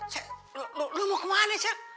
cel lu mau kemana cel